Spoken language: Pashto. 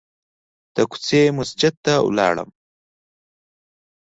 د کوڅې مسجد ته ولاړو.